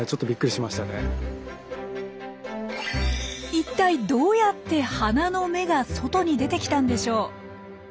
いったいどうやって花の芽が外に出てきたんでしょう？